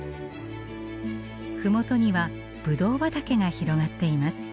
麓にはぶどう畑が広がっています。